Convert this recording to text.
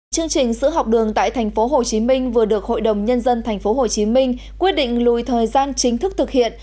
chương trình sữa học đường tại tp hcm vừa được hội đồng nhân dân tp hcm quyết định lùi thời gian chính thức thực hiện